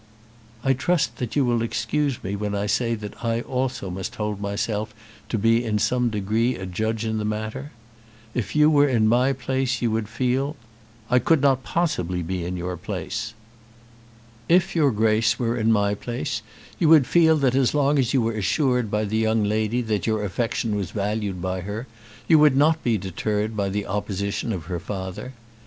"I trust that you will excuse me when I say that I also must hold myself to be in some degree a judge in the matter. If you were in my place, you would feel " "I could not possibly be in your place." "If your Grace were in my place you would feel that as long as you were assured by the young lady that your affection was valued by her you would not be deterred by the opposition of her father.